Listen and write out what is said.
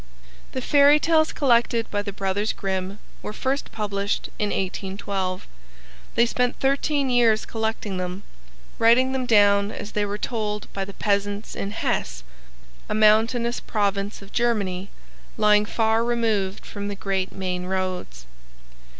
The fairy tales collected by the Brothers Grimm were first published in 1812. They spent thirteen years collecting them, writing them down as they were told by the peasants in Hesse, a mountainous province of Germany lying far removed from the great main roads.